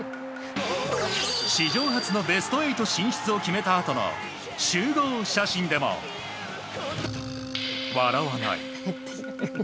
史上初のベスト８進出を決めたあとの集合写真でも笑わない。